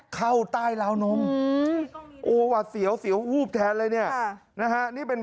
เข้าใต้ลาวนมโอ้วะเสียวอูบแท้เลยนี่